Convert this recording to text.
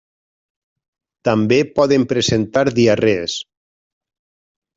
També poden presentar diarrees.